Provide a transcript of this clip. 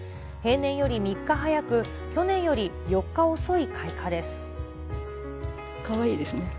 平年より３日早く、去年より４日遅い開花です。